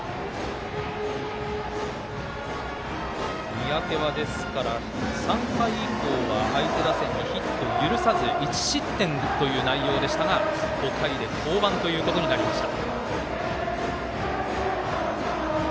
三宅は３回以降は相手打線にヒットを許さず１失点という内容でしたが５回で降板ということになりました。